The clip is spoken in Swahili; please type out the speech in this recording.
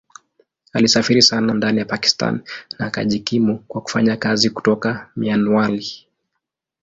Alisafiri sana ndani ya Pakistan na akajikimu kwa kufanya kazi kutoka Mianwali.